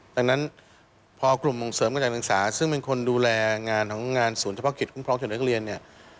ดังนั้นพอกลุ่มมงเสริมการการศึกษา